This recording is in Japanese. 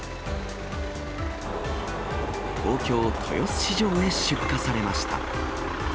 東京豊洲市場へ出荷されました。